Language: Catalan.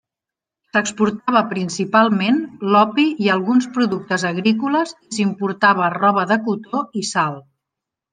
S'exportava principalment l'opi i alguns productes agrícoles i s'importava roba de cotó i sal.